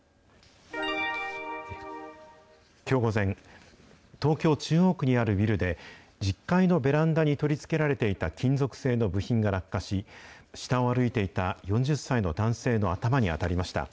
きょう午前、東京・中央区にあるビルで、１０階のベランダに取り付けられていた金属製の部品が落下し、下を歩いていた４０歳の男性の頭に当たりました。